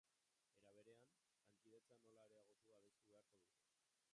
Era berean, lankidetza nola areagotu adostu beharko dute.